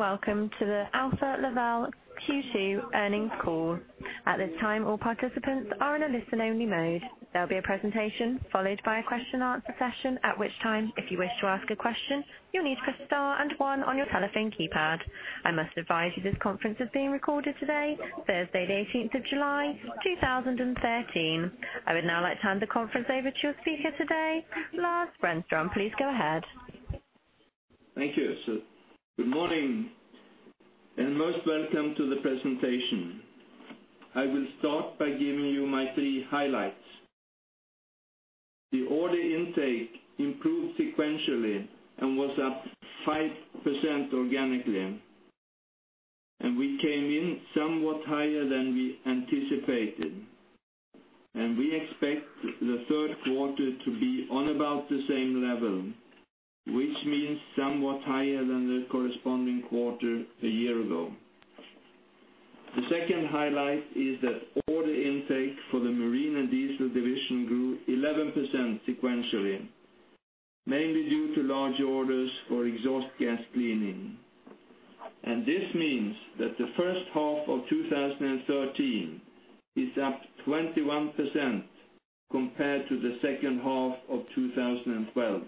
Welcome to the Alfa Laval Q2 earnings call. At this time, all participants are in a listen-only mode. There'll be a presentation followed by a question answer session, at which time if you wish to ask a question, you'll need to press star and one on your telephone keypad. I must advise you this conference is being recorded today, Thursday the 18th of July, 2013. I would now like to hand the conference over to your speaker today, Lars Renström. Please go ahead. Thank you. Good morning, most welcome to the presentation. I will start by giving you my three highlights. The order intake improved sequentially and was up 5% organically, we came in somewhat higher than we anticipated. We expect the third quarter to be on about the same level, which means somewhat higher than the corresponding quarter a year ago. The second highlight is that order intake for the Marine & Diesel Division grew 11% sequentially, mainly due to large orders for exhaust gas cleaning. This means that the first half of 2013 is up 21% compared to the second half of 2012.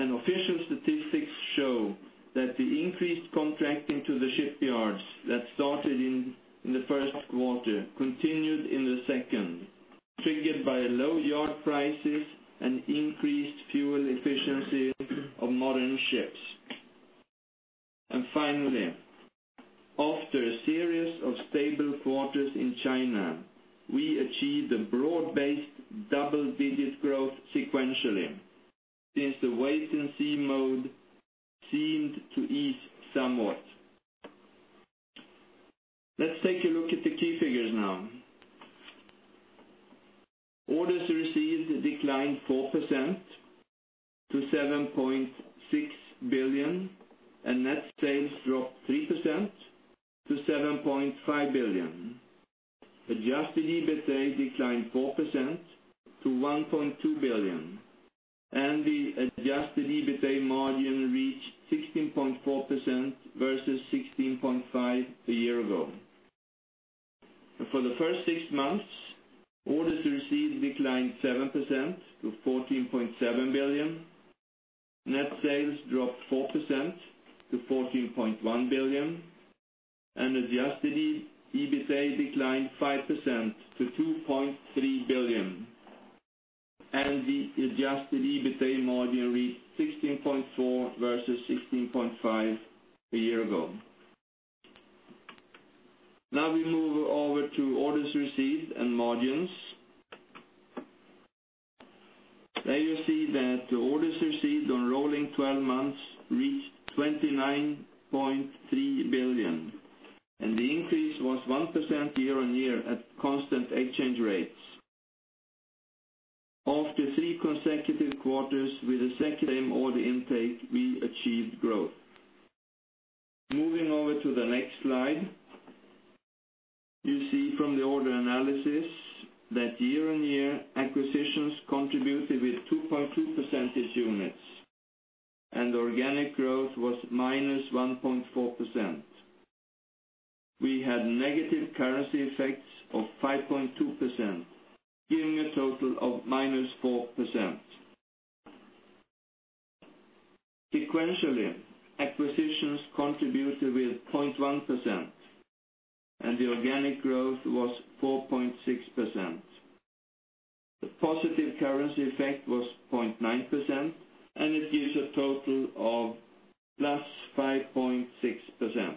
Official statistics show that the increased contracting to the shipyards that started in the first quarter continued in the second, triggered by low yard prices and increased fuel efficiency of modern ships. Finally, after a series of stable quarters in China, we achieved a broad-based double-digit growth sequentially since the wait-and-see mode seemed to ease somewhat. Let's take a look at the key figures now. Orders received declined 4% to 7.6 billion, net sales dropped 3% to 7.5 billion. Adjusted EBITA declined 4% to 1.2 billion, the adjusted EBITA margin reached 16.4% versus 16.5% a year ago. For the first six months, orders received declined 7% to 14.7 billion. Net sales dropped 4% to 14.1 billion, adjusted EBITA declined 5% to 2.3 billion. The adjusted EBITA margin reached 16.4% versus 16.5% a year ago. Now we move over to orders received and margins. There you see that the orders received on rolling 12 months reached 29.3 billion, the increase was 1% year-on-year at constant exchange rates. After three consecutive quarters with a secular order intake, we achieved growth. Moving over to the next slide. You see from the order analysis that year-on-year acquisitions contributed with 2.2 percentage units, organic growth was -1.4%. We had negative currency effects of 5.2%, giving a total of -4.0%. Sequentially, acquisitions contributed with 0.1%, the organic growth was 4.6%. The positive currency effect was 0.9%, it gives a total of +5.6%.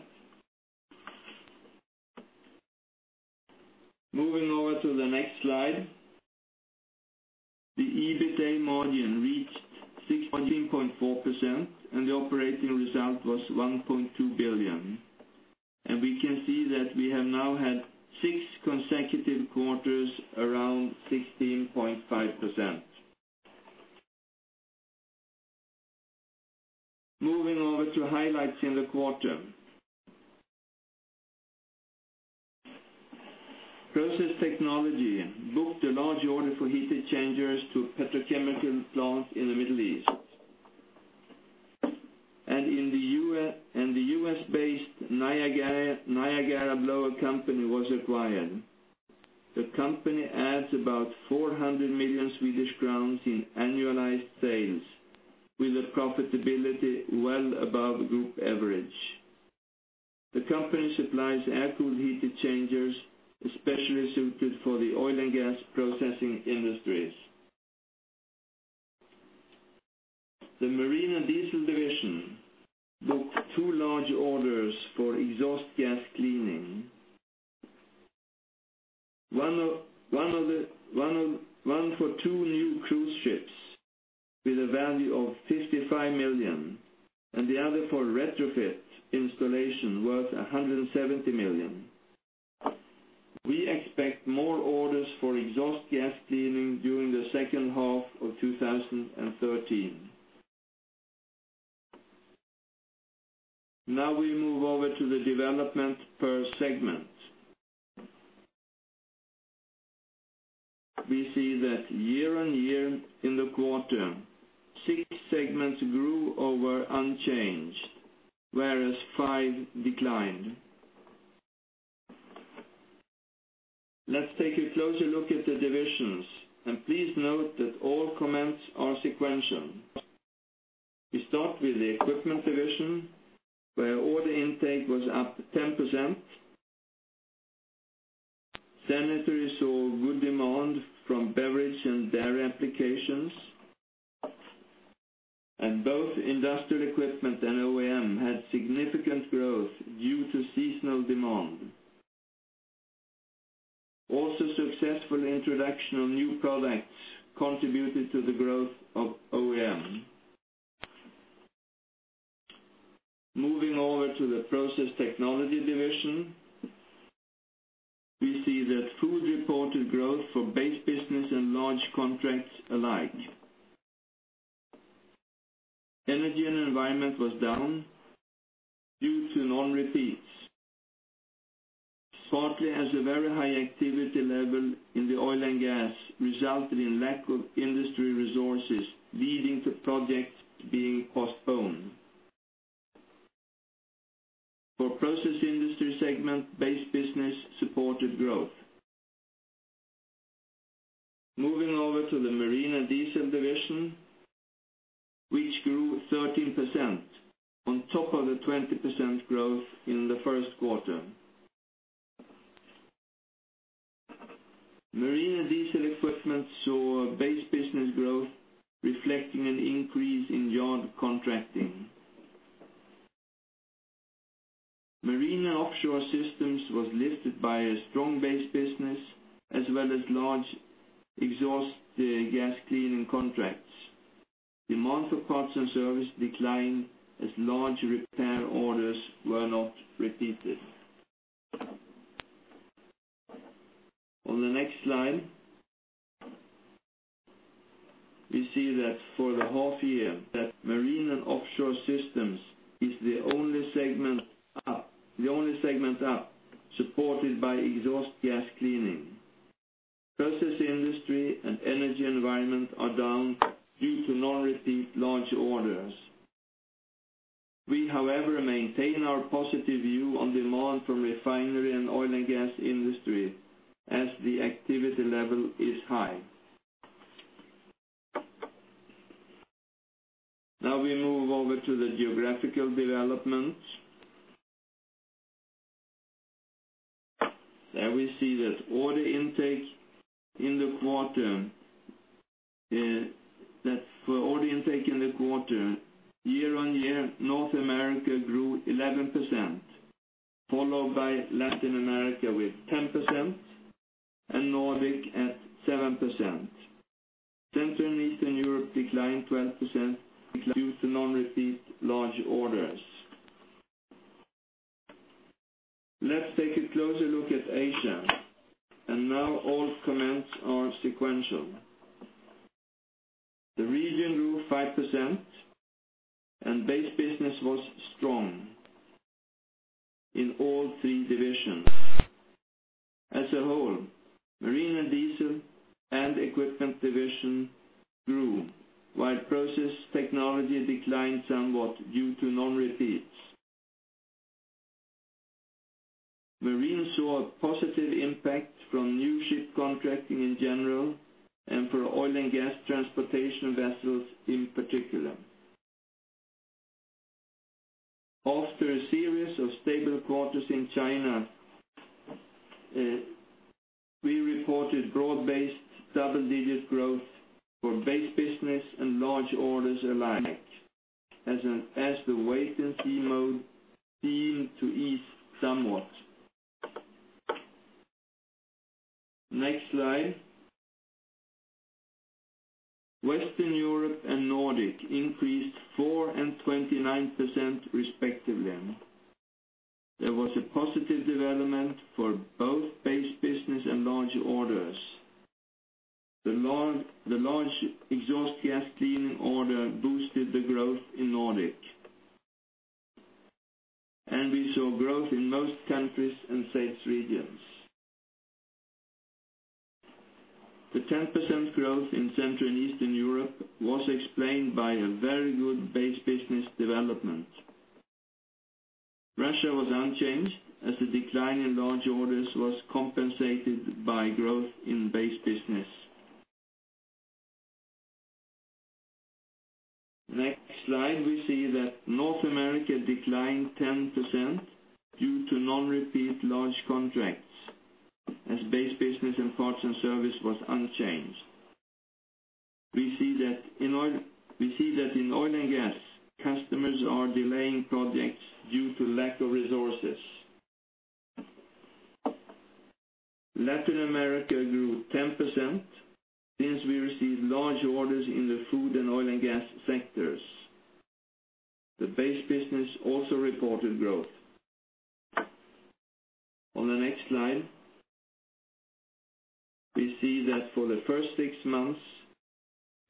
Moving over to the next slide. The EBITA margin reached 16.4%, the operating result was 1.2 billion. We can see that we have now had six consecutive quarters around 16.5%. Moving over to highlights in the quarter. Process Technology booked a large order for heat exchangers to a petrochemical plant in the Middle East. The U.S.-based Niagara Blower Company was acquired. The company adds about 400 million Swedish crowns in annualized sales with a profitability well above group average. The company supplies air-cooled heat exchangers, especially suited for the oil and gas processing industries. The Marine & Diesel Division booked two large orders for exhaust gas cleaning. One for two new cruise ships with a value of 55 million, and the other for retrofit installation worth 170 million. We expect more orders for exhaust gas cleaning during the second half of 2013. Now we move over to the development per segment. We see that year-on-year in the quarter, six segments grew or were unchanged, whereas five declined. Let's take a closer look at the divisions, and please note that all comments are sequential. We start with the Equipment Division, where order intake was up 10%. Sanitary saw good demand from beverage and dairy applications. Both industrial equipment and OEM had significant growth due to seasonal demand. Also, successful introduction of new products contributed to the growth of OEM. Moving over to the Process Technology Division, we see that food reported growth for base business and large contracts alike. Energy and environment was down due to non-repeats. Partly as a very high activity level in the oil and gas resulted in lack of industry resources, leading to projects being postponed. For process industry segment, base business supported growth. Moving over to the Marine & Diesel Division, which grew 13% on top of the 20% growth in the first quarter. Marine & Diesel equipment saw a base business growth reflecting an increase in yard contracting. Marine offshore systems was lifted by a strong base business as well as large exhaust gas cleaning contracts. Demand for parts and service declined as large repair orders were not repeated. On the next slide, we see that for the half year, that marine and offshore systems is the only segment up, supported by exhaust gas cleaning. Process industry and energy environment are down due to non-repeat large orders. We, however, maintain our positive view on demand from refinery and oil and gas industry as the activity level is high. Now we move over to the geographical developments. There we see that for order intake in the quarter year-on-year, North America grew 11%, followed by Latin America with 10% and Nordic at 7%. Central and Eastern Europe declined 12% due to non-repeat large orders. Let's take a closer look at Asia, and now all comments are sequential. The region grew 5% and base business was strong in all three divisions. As a whole, Marine & Diesel and Equipment Division grew, while process technology declined somewhat due to non-repeats. Marine saw a positive impact from new ship contracting in general and for oil and gas transportation vessels in particular. After a series of stable quarters in China, we reported broad-based double-digit growth for base business and large orders alike as the wait-and-see mode seemed to ease somewhat. Next slide. Western Europe and Nordic increased 4% and 29% respectively. There was a positive development for both base business and large orders. The large exhaust gas cleaning order boosted the growth in Nordic. We saw growth in most countries and sales regions. The 10% growth in Central and Eastern Europe was explained by a very good base business development. Russia was unchanged as the decline in large orders was compensated by growth in base business. Next slide, we see that North America declined 10% due to non-repeat large contracts as base business and parts and service was unchanged. We see that in oil and gas, customers are delaying projects due to lack of resources. Latin America grew 10% since we received large orders in the food and oil and gas sectors. The base business also reported growth. On the next slide, we see that for the first six months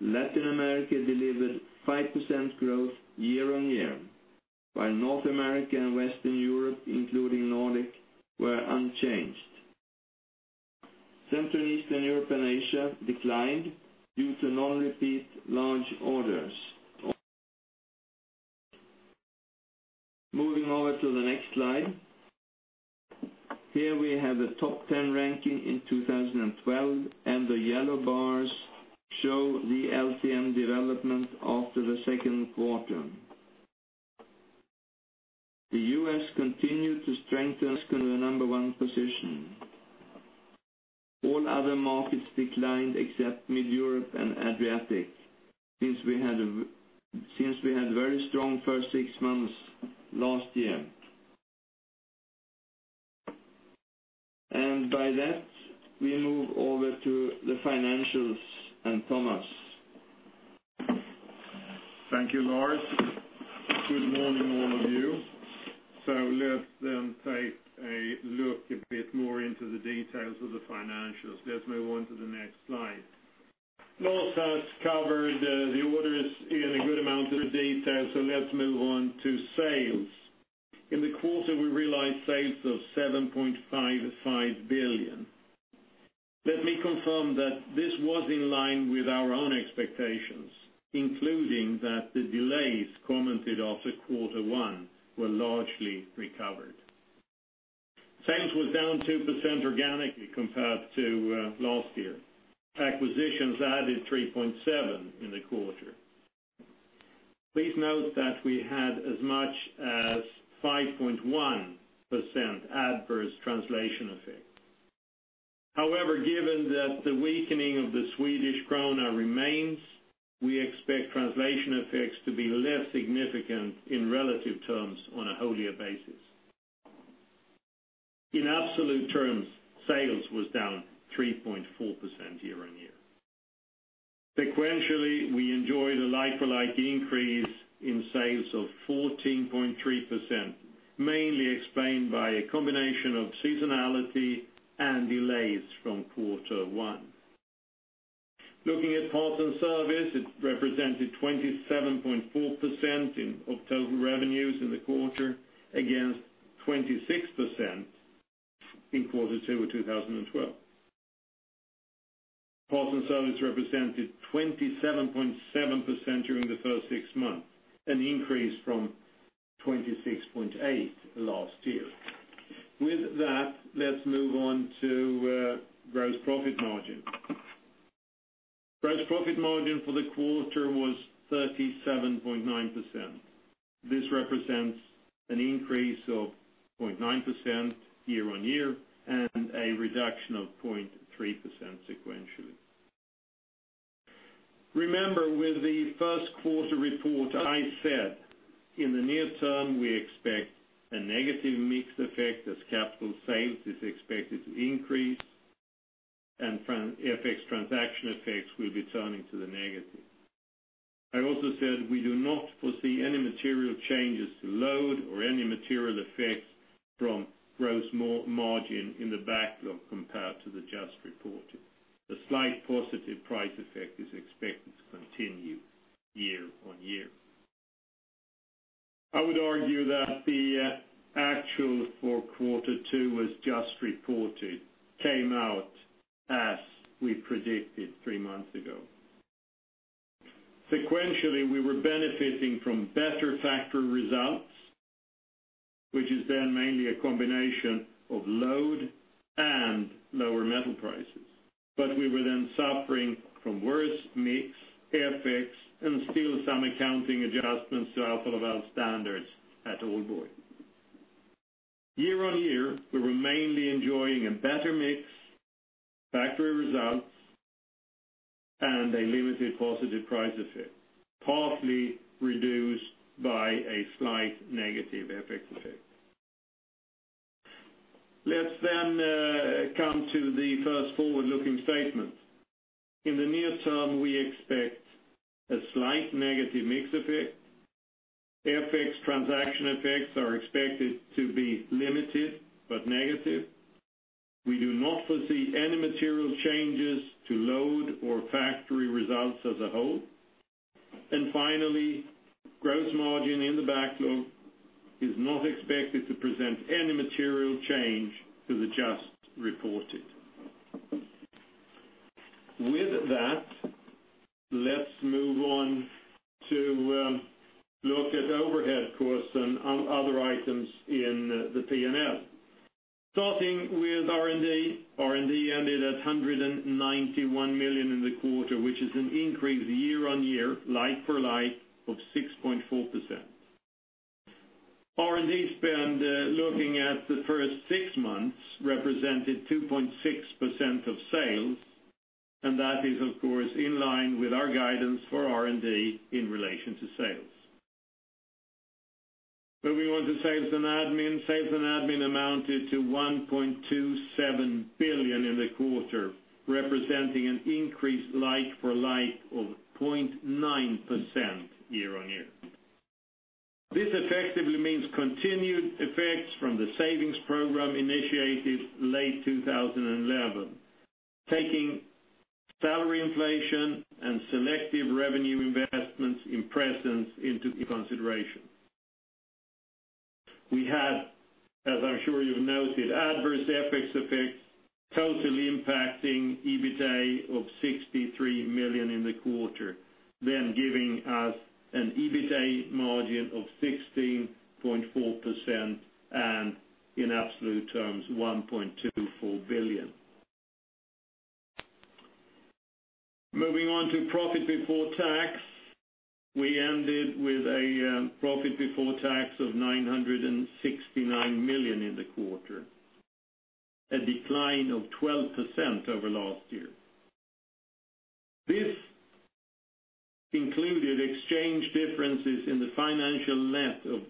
Latin America delivered 5% growth year-on-year, while North America and Western Europe, including Nordic, were unchanged. Central and Eastern Europe and Asia declined due to non-repeat large orders. Moving over to the next slide. Here we have a top 10 ranking in 2012, and the yellow bars show the LTM development after the second quarter. The U.S. continued to strengthen to the number 1 position. All other markets declined except Mid Europe and Adriatic, since we had very strong first six months last year. By that, we move over to the financials, and Thomas. Thank you, Lars. Good morning, all of you. Let's take a look a bit more into the details of the financials. Let's move on to the next slide. Lars has covered the orders in a good amount of detail, let's move on to sales. In the quarter, we realized sales of 7.55 billion. Let me confirm that this was in line with our own expectations, including that the delays commented after quarter 1 were largely recovered. Sales was down 2% organically compared to last year. Acquisitions added 3.7% in the quarter. Please note that we had as much as 5.1% adverse translation effect. However, given that the weakening of the Swedish krona remains, we expect translation effects to be less significant in relative terms on a full-year basis. In absolute terms, sales was down 3.4% year-on-year. Sequentially, we enjoyed a like-for-like increase in sales of 14.3%, mainly explained by a combination of seasonality and delays from quarter 1. Looking at parts and service, it represented 27.4% of total revenues in the quarter against 26% in quarter 2 of 2012. Parts and service represented 27.7% during the first six months, an increase from 26.8% last year. With that, let's move on to gross profit margin. Gross profit margin for the quarter was 37.9%. This represents an increase of 0.9% year-on-year and a reduction of 0.3% sequentially. Remember, with the first quarter report, I said, in the near term, we expect a negative mix effect as capital sales is expected to increase and FX transaction effects will be turning to the negative. I also said we do not foresee any material changes to load or any material effects from gross margin in the backlog compared to the just reported. The slight positive price effect is expected to continue year-on-year. I would argue that the actual for Q2 was just reported, came out as we predicted three months ago. We were then benefiting from better factory results, which is then mainly a combination of load and lower metal prices. We were then suffering from worse mix, FX, and still some accounting adjustments to Alfa Laval standards at Aalborg Industries. Year-on-year, we were mainly enjoying a better mix, factory results, and a limited positive price effect, partly reduced by a slight negative FX effect. Let's come to the first forward-looking statement. In the near term, we expect a slight negative mix effect. FX transaction effects are expected to be limited, but negative. We do not foresee any material changes to load or factory results as a whole. Finally, gross margin in the backlog is not expected to present any material change to the just reported. With that, let's move on to look at overhead costs and other items in the P&L. Starting with R&D. R&D ended at 191 million in the quarter, which is an increase year-on-year, like for like of 6.4%. R&D spend, looking at the first six months, represented 2.6% of sales, and that is, of course, in line with our guidance for R&D in relation to sales. Moving on to sales and admin. Sales and admin amounted to 1.27 billion in the quarter, representing an increase like for like of 0.9% year-on-year. This effectively means continued effects from the savings program initiated late 2011, taking salary inflation and selective revenue investments in presence into consideration. We had, as I'm sure you've noted, adverse FX effects totally impacting EBITA of 63 million in the quarter, giving us an EBITA margin of 16.4% and in absolute terms 1.24 billion. Moving on to profit before tax, we ended with a profit before tax of 969 million in the quarter, a decline of 12% over last year. This included exchange differences in the financial net of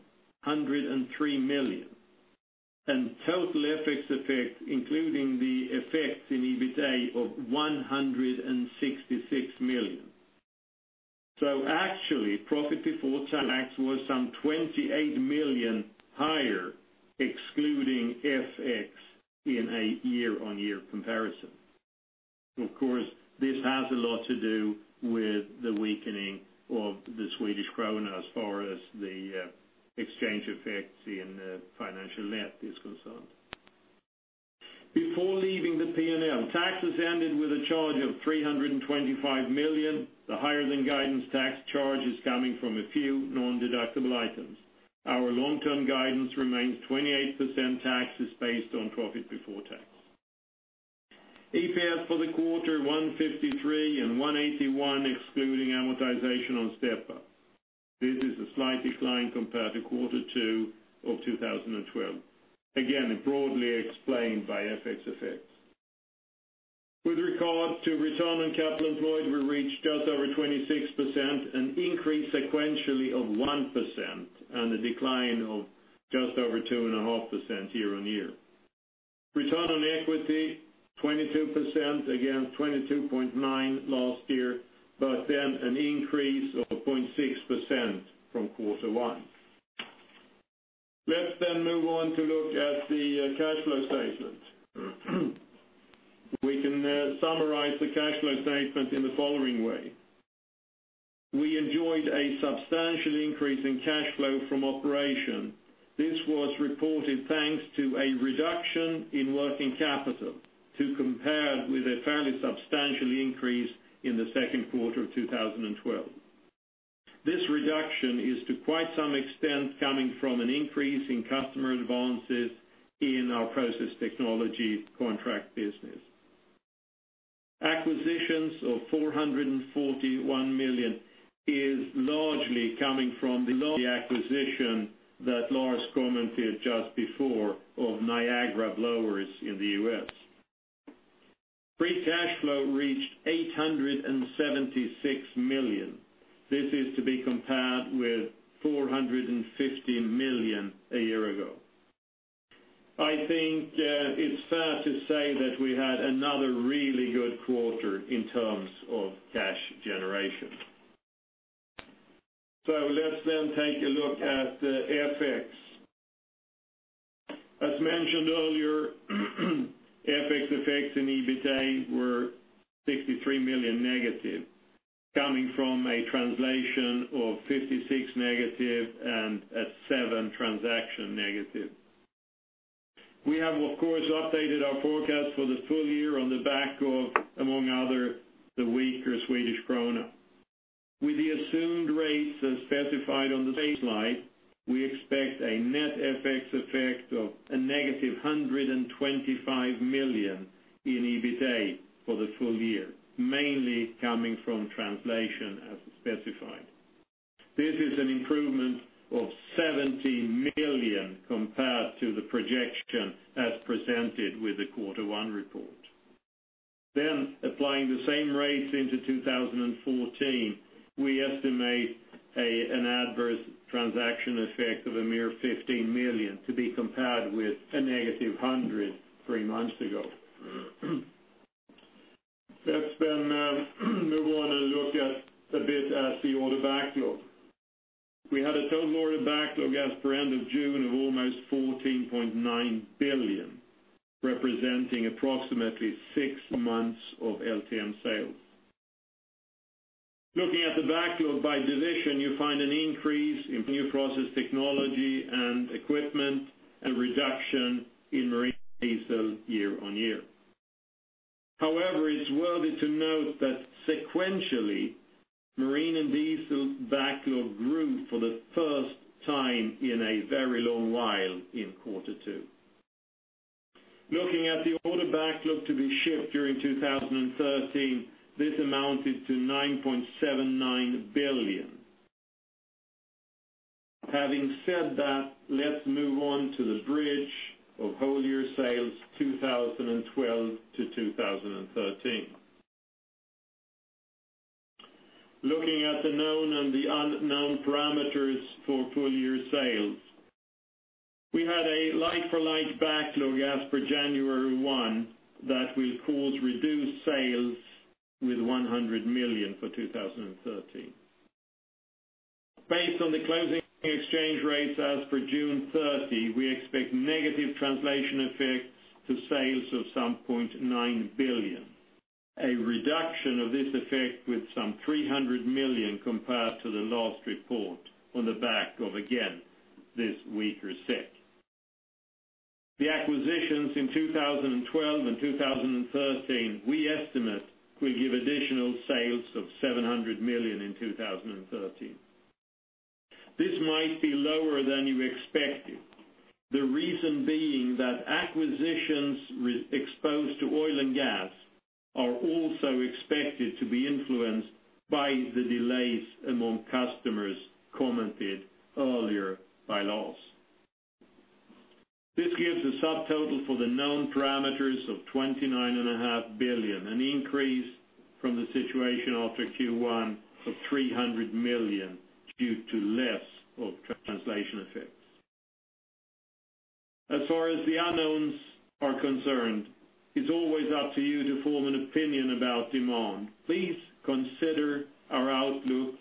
103 million and total FX effect, including the effects in EBITA of 166 million. Actually, profit before tax was some 28 million higher, excluding FX in a year-on-year comparison. Of course, this has a lot to do with the weakening of the Swedish krona as far as the exchange effects in the financial net is concerned. Before leaving the P&L, taxes ended with a charge of 325 million. The higher-than-guidance tax charge is coming from a few non-deductible items. Our long-term guidance remains 28% taxes based on profit before tax. EPS for the quarter 153 and 181, excluding amortization on step-up. This is a slight decline compared to Q2 of 2012. Broadly explained by FX effects. With regard to return on capital employed, we reached just over 26%, an increase sequentially of 1% and a decline of just over 2.5% year-on-year. Return on equity 22%, against 22.9% last year, but then an increase of 0.6% from Q1. Let's move on to look at the cash flow statement. We can summarize the cash flow statement in the following way. We enjoyed a substantial increase in cash flow from operation. This was reported thanks to a reduction in working capital to compare with a fairly substantial increase in the second quarter of 2012. This reduction is to quite some extent coming from an increase in customer advances in our Process Technology contract business. Acquisitions of 441 million is largely coming from the acquisition that Lars commented just before of Niagara Blowers in the U.S. Free cash flow reached 876 million. This is to be compared with 450 million a year ago. I think it's fair to say that we had another really good quarter in terms of cash generation. Let's take a look at the FX. As mentioned earlier, FX effects in EBITA were 63 million negative, coming from a translation of 56 negative and a SEK seven transaction negative. We have, of course, updated our forecast for the full year on the back of, among other, the weaker SEK. With the assumed rates as specified on the slide, we expect a net FX effect of a negative 125 million in EBITA for the full year, mainly coming from translation as specified. This is an improvement of 17 million compared to the projection as presented with the Q1 report. Applying the same rates into 2014, we estimate an adverse transaction effect of a mere 15 million to be compared with a negative 100, three months ago. Let's move on and look a bit at the order backlog. We had a total order backlog as per end of June of almost 14.9 billion, representing approximately six months of LTM sales. Looking at the backlog by division, you find an increase in new Process Technology and Equipment and reduction in Marine & Diesel year-on-year. However, it's worthy to note that sequentially, Marine & Diesel backlog grew for the first time in a very long while in Q2. Looking at the order backlog to be shipped during 2013, this amounted to 9.79 billion. Let's move on to the bridge of full-year sales 2012 to 2013. Looking at the known and the unknown parameters for full-year sales We had a like-for-like backlog as per January 1, that will cause reduced sales with 100 million for 2013. Based on the closing exchange rates as per June 30, we expect negative translation effects to sales of some 0.9 billion. A reduction of this effect with some 300 million compared to the last report on the back of, again, this weaker SEK. The acquisitions in 2012 and 2013, we estimate will give additional sales of 700 million in 2013. This might be lower than you expected. The reason being that acquisitions exposed to oil and gas are also expected to be influenced by the delays among customers commented earlier by Lars. This gives a subtotal for the known parameters of 29.5 billion, an increase from the situation after Q1 of 300 million, due to less of translation effects. As far as the unknowns are concerned, it's always up to you to form an opinion about demand. Please consider our outlook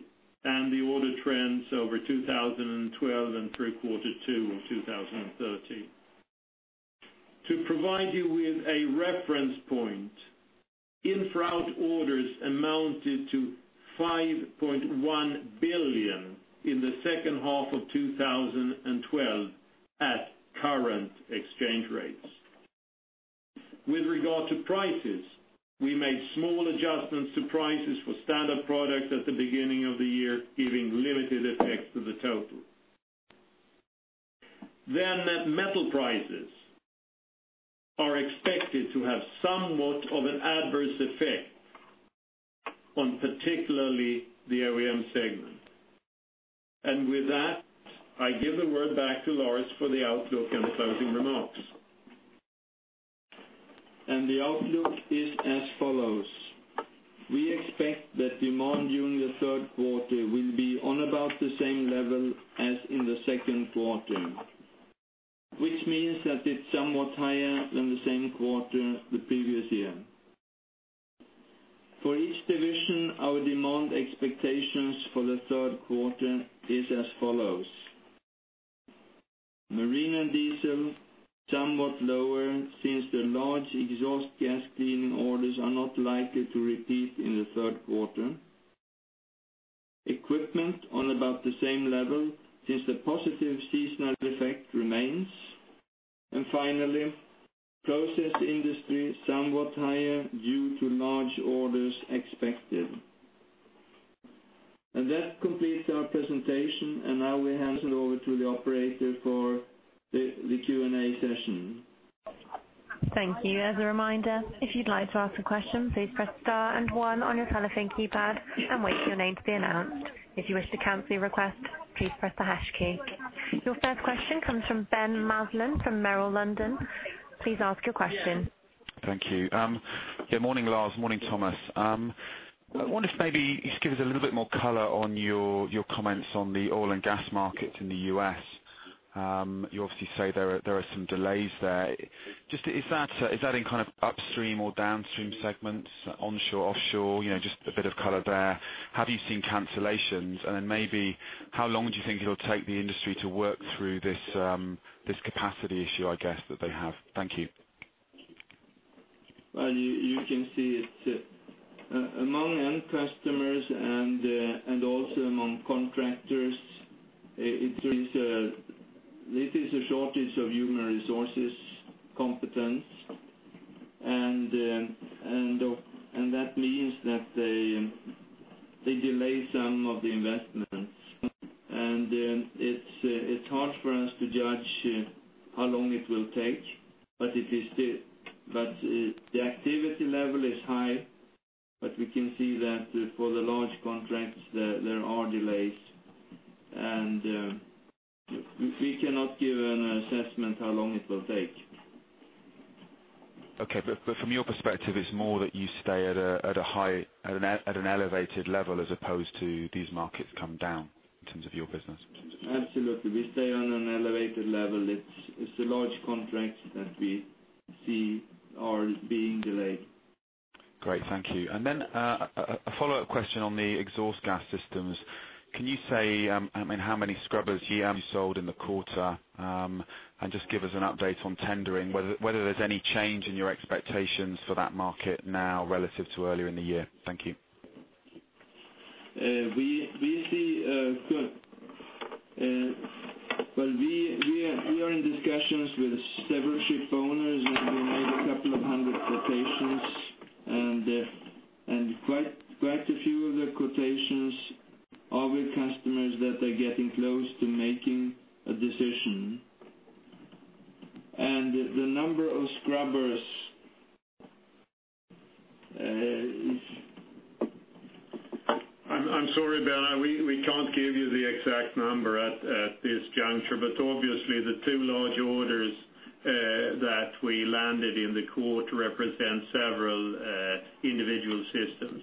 and the order trends over 2012 and through quarter two of 2013. To provide you with a reference point, en-route orders amounted to 5.1 billion in the second half of 2012 at current exchange rates. With regard to prices, we made small adjustments to prices for standard products at the beginning of the year, giving limited effect to the total. Net metal prices are expected to have somewhat of an adverse effect on particularly the OEM segment. With that, I give the word back to Lars for the outlook and the closing remarks. The outlook is as follows. We expect that demand during the third quarter will be on about the same level as in the second quarter, which means that it's somewhat higher than the same quarter the previous year. For each division, our demand expectations for the third quarter is as follows. Marine and diesel, somewhat lower since the large exhaust gas cleaning orders are not likely to repeat in the third quarter. Equipment on about the same level, since the positive seasonal effect remains. Finally, process industry somewhat higher due to large orders expected. That completes our presentation, now we hand it over to the operator for the Q&A session. Thank you. As a reminder, if you'd like to ask a question, please press star and one on your telephone keypad and wait for your name to be announced. If you wish to cancel your request, please press the hash key. Your first question comes from Ben Maslen from Merrill Lynch. Please ask your question. Thank you. Morning, Lars. Morning, Thomas. I wonder if maybe you could give us a little bit more color on your comments on the oil and gas market in the U.S. You obviously say there are some delays there. Just is that in upstream or downstream segments, onshore, offshore? Just a bit of color there. Have you seen cancellations? Then maybe how long do you think it'll take the industry to work through this capacity issue, I guess, that they have? Thank you. You can see it among end customers and also among contractors. It is a shortage of human resources competence. That means that they delay some of the investments. It's hard for us to judge how long it will take. The activity level is high, but we can see that for the large contracts, there are delays. We cannot give an assessment how long it will take. Okay. From your perspective, it's more that you stay at an elevated level as opposed to these markets come down in terms of your business? Absolutely. We stay on an elevated level. It's the large contracts that we see are being delayed. Great, thank you. Then a follow-up question on the exhaust gas systems. Can you say how many scrubbers you actually sold in the quarter? Just give us an update on tendering, whether there's any change in your expectations for that market now relative to earlier in the year. Thank you. We are in discussions with several ship owners, we made a couple of 100 quotations. Quite a few of the quotations are with customers that are getting close to making a decision. The number of scrubbers is I'm sorry, Ben, we can't give you the exact number at this juncture. Obviously the two large orders that we landed in the quarter represents several individual systems.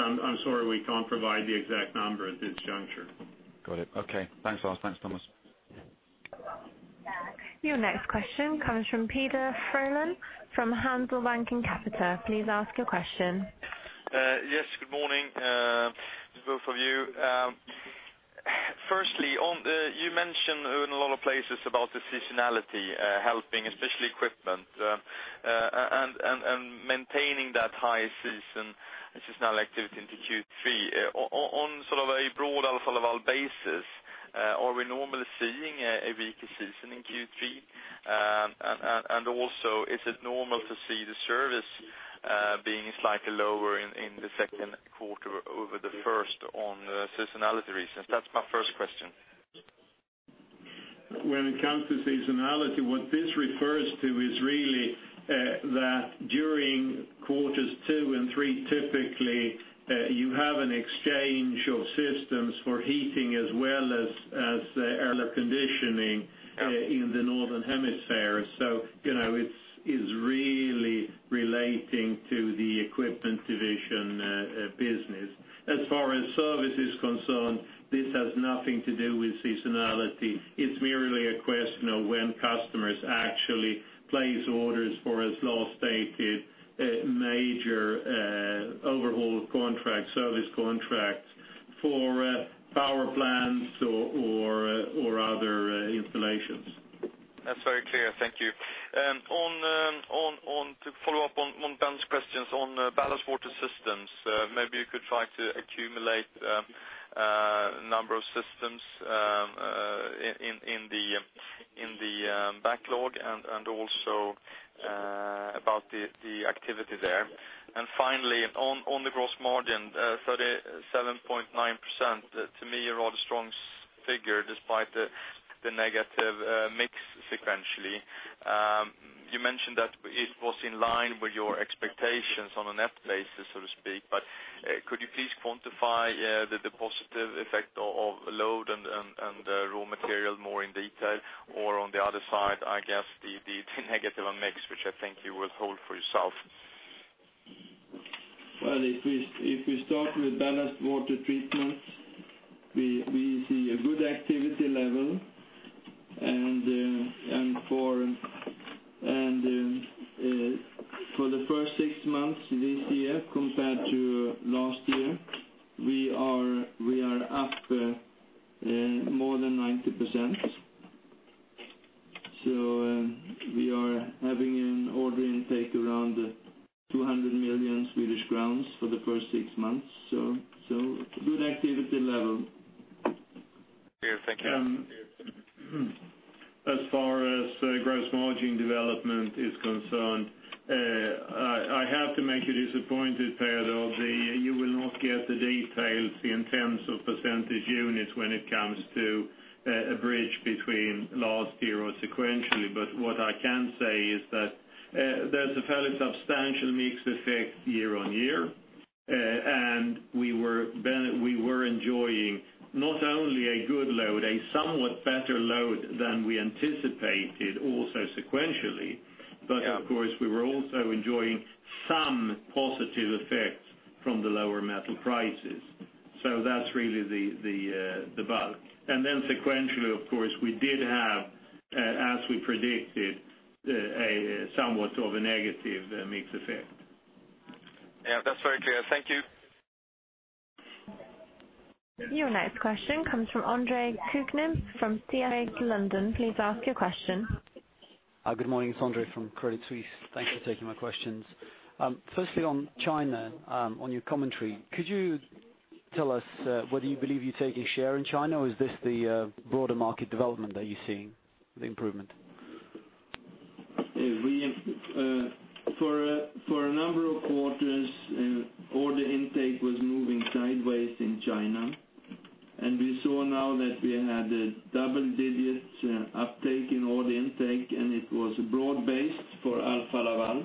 I'm sorry, we can't provide the exact number at this juncture. Got it. Okay. Thanks, Lars. Thanks, Thomas. Your next question comes from Peder Frölén from Handelsbanken Capital Markets. Please ask your question. Yes, good morning to both of you. Firstly, you mentioned in a lot of places about the seasonality helping, especially equipment, and maintaining that high seasonal activity into Q3. On a broader level basis, are we normally seeing a weaker season in Q3? Is it normal to see the service being slightly lower in the second quarter over the first on seasonality reasons? That's my first question. When it comes to seasonality, what this refers to is really that during quarters two and three, typically, you have an exchange of systems for heating as well as air conditioning in the northern hemisphere. It's really relating to the Equipment Division business. As far as service is concerned, this has nothing to do with seasonality. It's merely a question of when customers actually place orders for, as Lars stated, major overhaul contracts, service contracts for power plants or other installations. That's very clear. Thank you. To follow up on Ben's questions on ballast water systems, maybe you could try to accumulate number of systems in the backlog and also about the activity there. On the gross margin, 37.9%, to me, a rather strong figure despite the negative mix sequentially. You mentioned that it was in line with your expectations on a net basis, so to speak, but could you please quantify the positive effect of load and raw material more in detail? On the other side, I guess the negative mix, which I think you will hold for yourself. Well, if we start with ballast water treatment, we see a good activity level. For the first six months this year compared to last year, We saw now that we had a double digits uptake in order intake, and it was broad-based for Alfa Laval.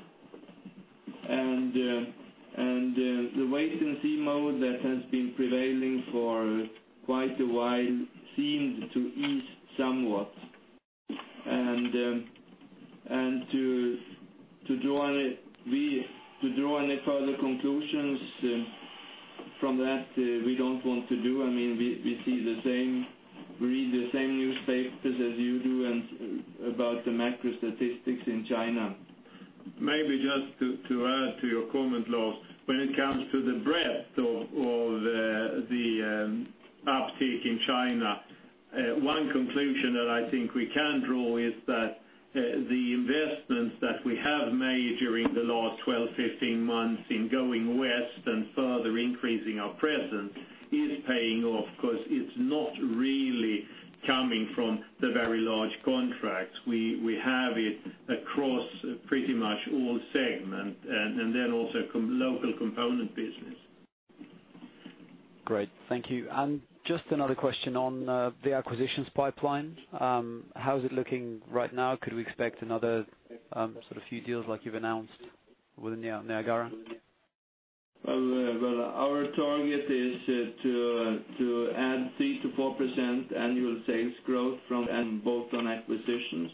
The wait-and-see mode that has been prevailing for quite a while seemed to ease somewhat. To draw any further conclusions from that, we don't want to do. We read the same newspapers as you do about the macro statistics in China. Maybe just to add to your comment, Lars, when it comes to the breadth of the uptake in China, one conclusion that I think we can draw is that the investments that we have made during the last 12, 15 months in going west and further increasing our presence is paying off, because it's not really coming from the very large contracts. We have it across pretty much all segments, and then also local component business. Great. Thank you. Just another question on the acquisitions pipeline. How is it looking right now? Could we expect another few deals like you've announced with Niagara? Well, our target is to add 3%-4% annual sales growth both on acquisitions.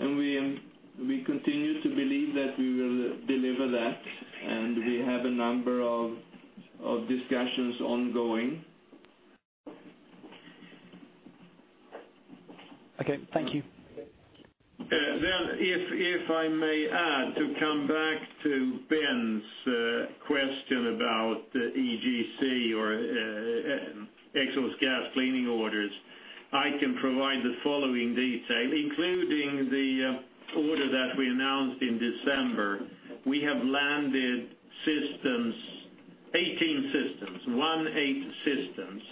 We continue to believe that we will deliver that, and we have a number of discussions ongoing. Okay, thank you. If I may add, to come back to Ben's question about the EGC or exhaust gas cleaning orders, I can provide the following detail, including the order that we announced in December. We have landed 18 systems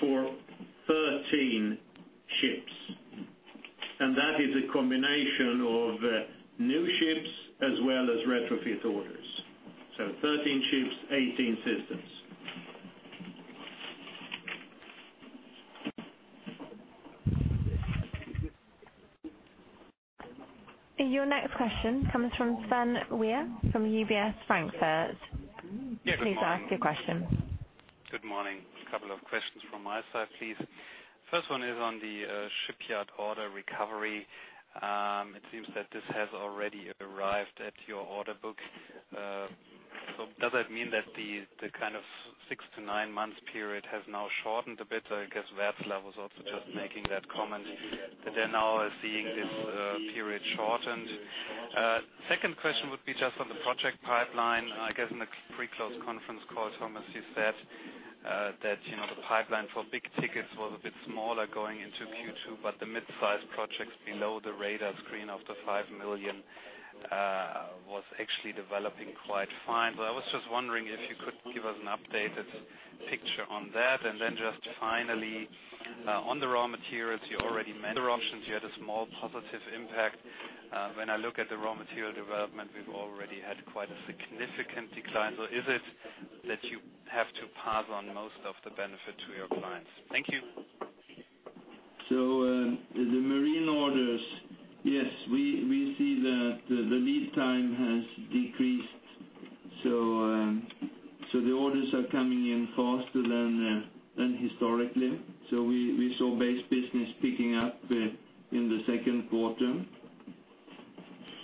for 13 ships. That is a combination of new ships as well as retrofit orders. 13 ships, 18 systems. Your next question comes from Sven Weier from UBS, Frankfurt. Yes, good morning. Please ask your question. Good morning. A couple of questions from my side, please. First one is on the shipyard order recovery. It seems that this has already arrived at your order book. Does that mean that the kind of 6 to 9 months period has now shortened a bit? I guess Wärtsilä was also just making that comment that they're now seeing this period shortened. Second question would be just on the project pipeline. I guess in the pre-close conference call, Thomas, you said that the pipeline for big tickets was a bit smaller going into Q2, but the midsize projects below the radar screen of the 5 million was actually developing quite fine. I was just wondering if you could give us an updated picture on that. Just finally, on the raw materials, you already mentioned you had a small positive impact. When I look at the raw material development, we've already had quite a significant decline. Is it that you have to pass on most of the benefit to your clients? Thank you. The marine orders, yes, we see that the lead time has decreased. The orders are coming in faster than historically. We saw base business picking up in the second quarter.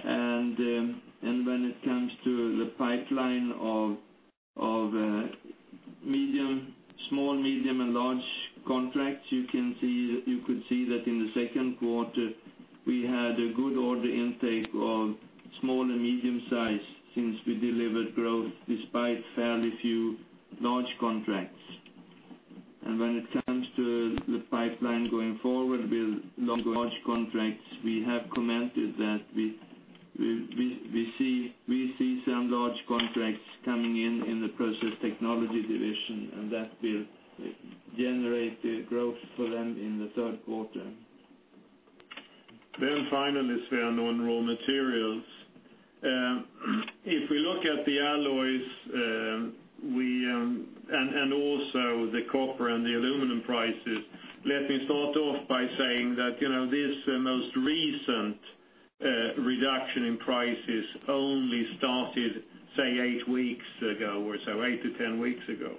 When it comes to the pipeline of small, medium, and large contracts, you could see that in the second quarter, we had a good order intake of small and medium size since we delivered growth despite fairly few large contracts. When it comes to the pipeline going forward with large contracts, we have commented that we see some large contracts coming in in the Process Technology Division, and that will generate growth for them in the third quarter. Finally, Sven, on raw materials. If we look at the alloys, and also the copper and the aluminum prices, let me start off by saying that this most recent reduction in prices only started, say, 8 weeks ago or so, 8 to 10 weeks ago.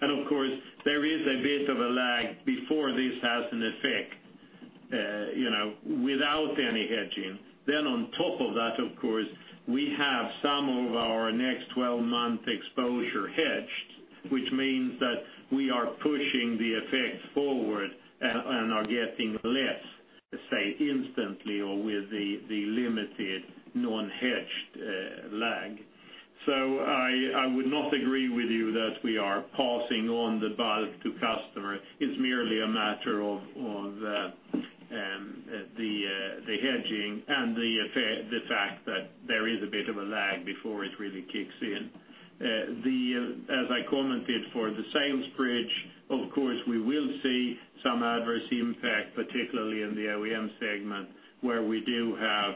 Of course, there is a bit of a lag before this has an effect without any hedging. On top of that, of course, we have some of our next 12-month exposure hedged, which means that we are pushing the effects forward and are getting less, say, instantly or with the limited non-hedged lag. I would not agree with you that we are passing on the bulk to customer. It's merely a matter of the hedging and the fact that there is a bit of a lag before it really kicks in. As I commented for the sales bridge, of course, we will see some adverse impact, particularly in the OEM segment, where we do have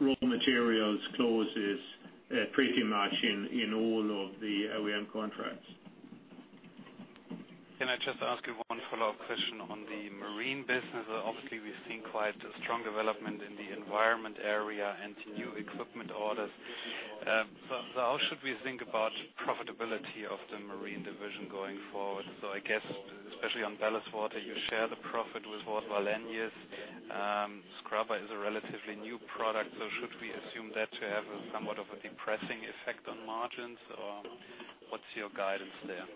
raw materials clauses pretty much in all of the OEM contracts. Can I just ask you one follow-up question on the marine business? Obviously, we've seen quite a strong development in the environment area and new equipment orders. How should we think about profitability of the marine division going forward? I guess especially on ballast water, you share the profit with Wallenius. scrubber is a relatively new product, should we assume that to have somewhat of a depressing effect on margins, or what's your guidance there?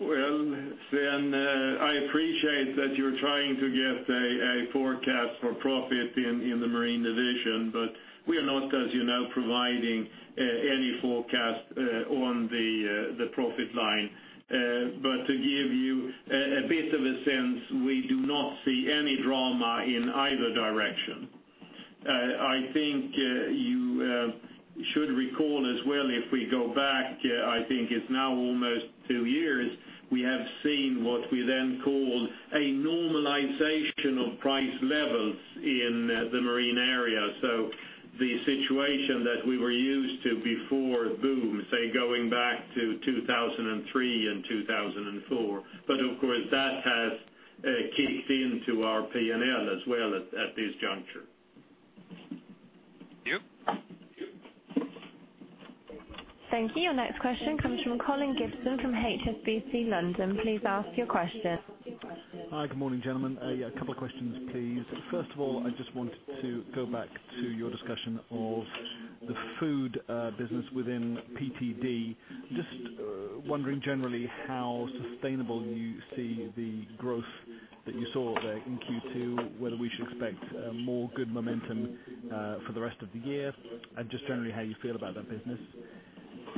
Well, Sven, I appreciate that you're trying to get a forecast for profit in the Marine & Diesel Division, we are not, as you know, providing any forecast on the profit line. To give you a bit of a sense, we do not see any drama in either direction. I think you should recall as well, if we go back, I think it's now almost two years, we have seen what we then called a normalization of price levels in the marine area. The situation that we were used to before boom, say going back to 2003 and 2004. Of course, that has kicked into our P&L as well at this juncture. Thank you. Thank you. Your next question comes from Colin Gibson from HSBC London. Please ask your question. Hi. Good morning, gentlemen. A couple of questions, please. First of all, I just wanted to go back to your discussion of the food business within PTD. Just wondering generally how sustainable you see the growth that you saw there in Q2, whether we should expect more good momentum for the rest of the year, and just generally how you feel about that business.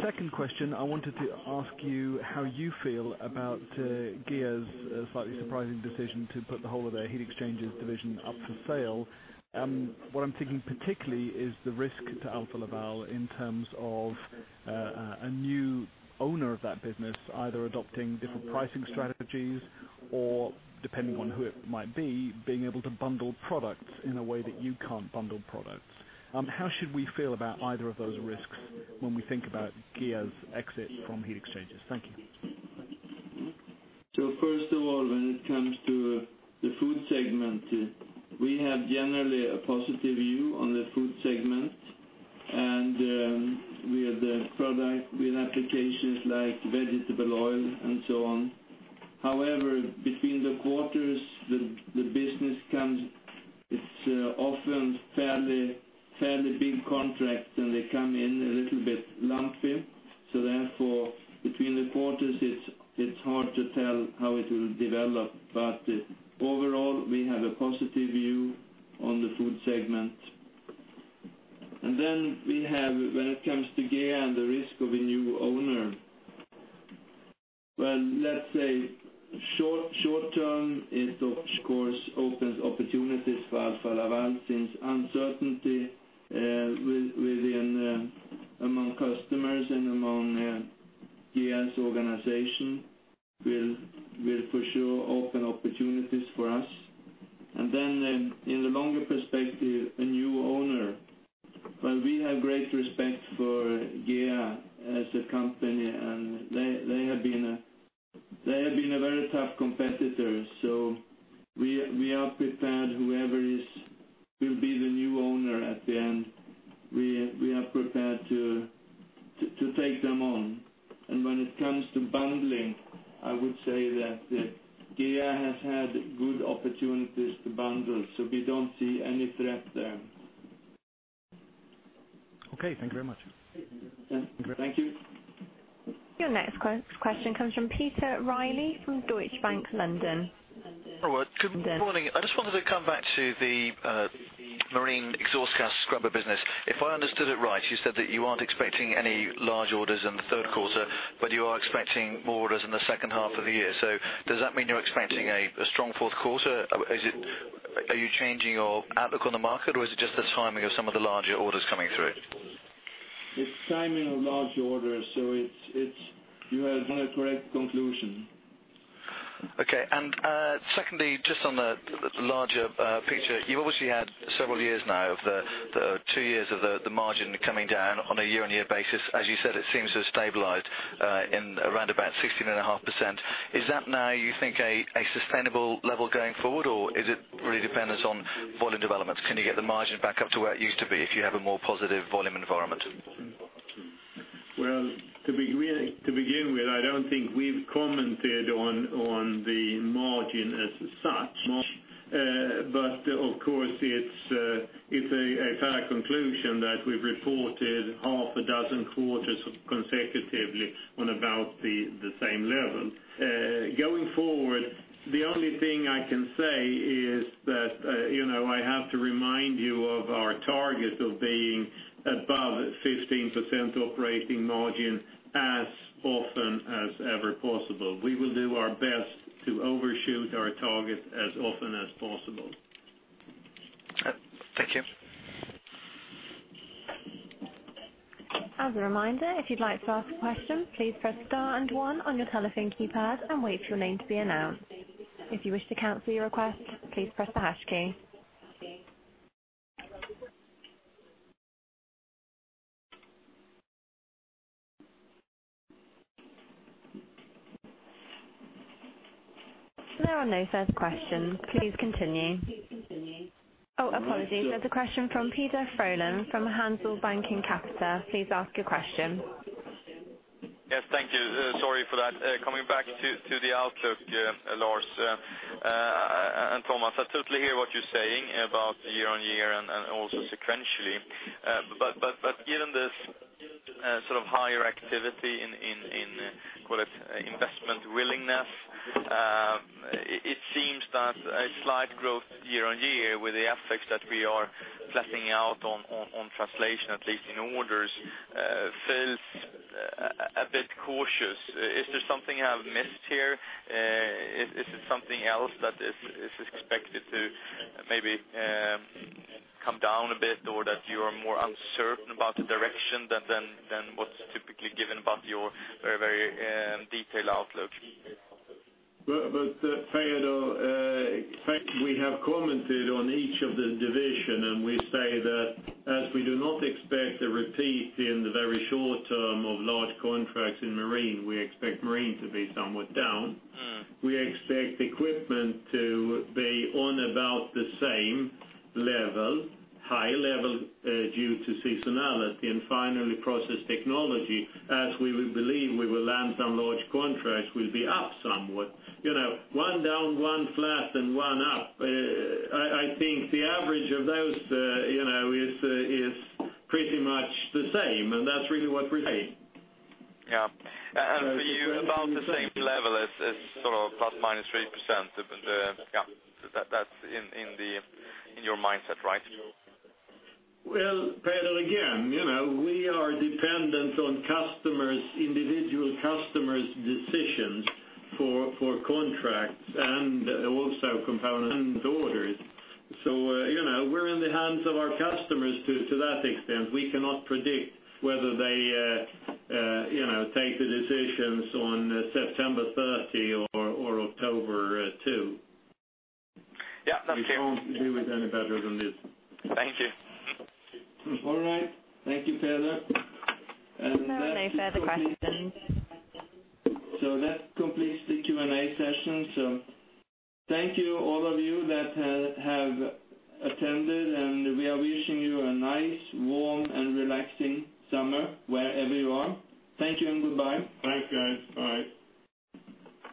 Second question, I wanted to ask you how you feel about GEA's slightly surprising decision to put the whole of their heat exchangers division up for sale. What I'm thinking particularly is the risk to Alfa Laval in terms of a new owner of that business, either adopting different pricing strategies or, depending on who it might be, being able to bundle products in a way that you can't bundle products. How should we feel about either of those risks when we think about GEA's exit from heat exchangers? Thank you. First of all, when it comes to the food segment, we have generally a positive view on the food segment, and with applications like vegetable oil and so on. However, between the quarters, the business comes, it's often fairly big contracts, and they come in a little bit lumpy. Therefore, between the quarters, it's hard to tell how it will develop. Overall, You have drawn a correct conclusion. Okay. Secondly, just on the larger picture, you've obviously had several years now of the 2 years of the margin coming down on a year-on-year basis. As you said, it seems to have stabilized in around about 16.5%. Is that now, you think, a sustainable level going forward, or is it really dependent on volume developments? Can you get the margin back up to where it used to be if you have a more positive volume environment? Well, to begin with, I don't think we've commented on the margin as such. Of course, it's a fair conclusion that we've reported half a dozen quarters consecutively on about the same level. Going forward, the only thing I can say is that I have to remind you of our target of being above 15% operating margin as often as ever possible. We will do our best to overshoot our target as often as possible. Thank you. As a reminder, if you'd like to ask a question, please press star and one on your telephone keypad and wait for your name to be announced. If you wish to cancel your request, please press the hash key. If there are no further questions, please continue. Oh, apologies. There's a question from Peder Frölén from Handelsbanken Capital Markets. Please ask your question. Yes. Thank you. Sorry for that. Coming back to the outlook, Lars and Thomas, I totally hear what you're saying about year-on-year and also sequentially. Given this sort of higher activity in, call it, investment willingness, it seems that a slight growth year-on-year with the effects that we are flattening out on translation, at least in orders, feels a bit cautious. Is there something I have missed here? Is it something else that is expected to maybe come down a bit, or that you are more uncertain about the direction than what's typically given about your very detailed outlook? Peder, we have commented on each of the division, and we say that as we do not expect a repeat in the very short term of large contracts in marine, we expect marine to be somewhat down. We expect equipment to be on about the same level, high level due to seasonality. Finally, process technology, as we believe we will land some large contracts, will be up somewhat. One down, one flat, and one up. I think the average of those is pretty much the same, and that's really what we're saying. Yeah. For you, about the same level as sort of plus or minus 3%, yeah. That's in your mindset, right? Well, Peder, again, we are dependent on individual customers' decisions for contracts and also component orders. We're in the hands of our customers to that extent. We cannot predict whether they take the decisions on September 30 or October 2. Yeah. That's clear. We can't do it any better than this. Thank you. All right. Thank you, Peder. There are no further questions then. That completes the Q&A session. Thank you all of you that have attended, and we are wishing you a nice, warm, and relaxing summer wherever you are. Thank you and goodbye. Thanks, guys. Bye.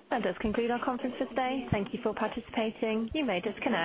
That does conclude our conference today. Thank you for participating. You may disconnect.